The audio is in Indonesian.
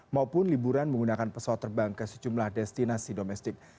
maupun liburan menggunakan pesawat terbang ke sejumlah destinasi domestik